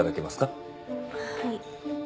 はい。